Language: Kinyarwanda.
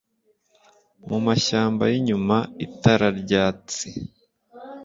mu mashyamba yinyuma, itara ryatsi